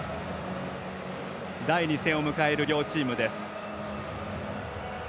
第２戦を迎える両チームです。